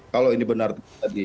kalau ini benar tadi